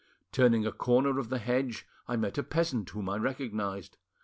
Turning a corner of the hedge, I met a peasant whom I recognised.